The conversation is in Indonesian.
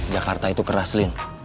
jakarta itu keras lin